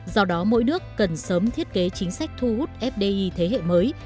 do đó mỗi nước cần sớm thiết kế chính sách thu hút fdi thế hệ mới